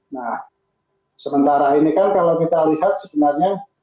nah sementara ini kan kalau kita lihat sebenarnya